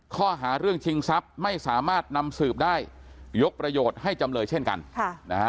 ข้อหาเรื่องชิงทรัพย์ไม่สามารถนำสืบได้ยกประโยชน์ให้จำเลยเช่นกันค่ะนะฮะ